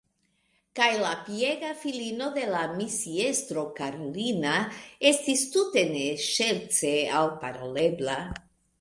Kaj la piega filino de la misiestro, Karolina, estis tute ne ŝerce alparolebla.